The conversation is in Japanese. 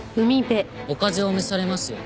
お風邪を召されますよ。